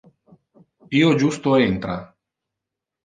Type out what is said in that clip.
Io justo entra.